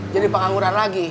jadi pengangguran lagi